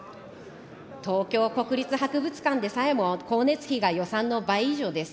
東京国立博物館でさえも光熱費が予算の倍以上です。